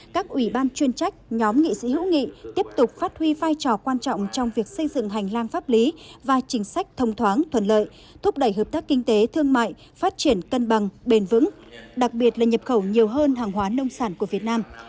các ủy ban chuyên trách nhóm nghị sĩ hữu nghị tiếp tục phát huy vai trò quan trọng trong việc xây dựng hành lang pháp lý và chính sách thông thoáng thuận lợi thúc đẩy hợp tác kinh tế thương mại phát triển cân bằng bền vững đặc biệt là nhập khẩu nhiều hơn hàng hóa nông sản của việt nam